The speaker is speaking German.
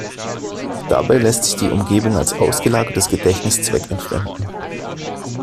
Dabei lässt sich die Umgebung als ausgelagertes Gedächtnis zweckentfremden.